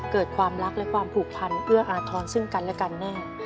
เกิดความรักและความผูกพันเอื้ออาทรซึ่งกันและกันแน่